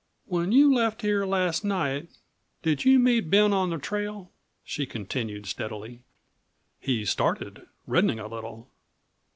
"When you left here last night did you meet Ben on the trail?" she continued steadily. He started, reddening a little.